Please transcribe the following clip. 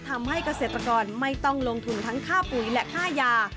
ทำให้เกษตรกรไม่ต้องลงทุนทั้งค่าปุ๋ยและค่ายา